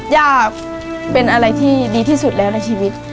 ย่าเป็นอะไรที่ดีที่สุดแล้วในชีวิต